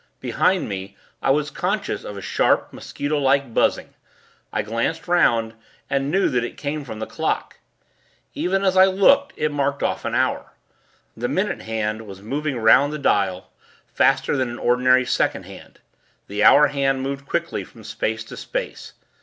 Behind me, I was conscious of a sharp, mosquito like buzzing. I glanced 'round, and knew that it came from the clock. Even as I looked, it marked off an hour. The minute hand was moving 'round the dial, faster than an ordinary second hand. The hour hand moved quickly from space to space.